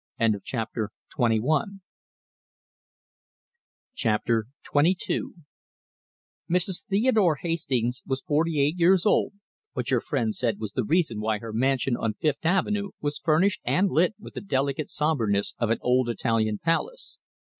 CHAPTER XXII Mrs. Theodore Hastings was forty eight years old, which her friends said was the reason why her mansion on Fifth Avenue was furnished and lit with the delicate sombreness of an old Italian palace.